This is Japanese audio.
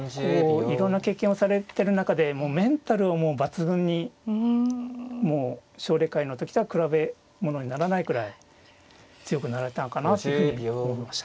いろんな経験をされてる中でもうメンタルを抜群にもう奨励会の時とは比べ物にならないくらい強くなられたのかなっていうふうに思いましたね。